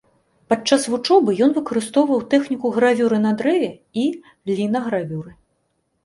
Падчас вучобы ён выкарыстоўваў тэхніку гравюры на дрэве і лінагравюры.